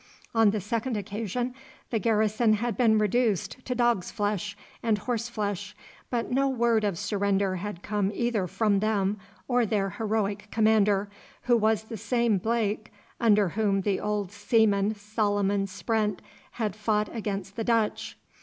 On the second occasion the garrison had been reduced to dog's flesh and horse flesh, but no word of surrender had come either from them or their heroic commander, who was the same Blake under whom the old seaman Solomon Sprent had fought against the Dutch.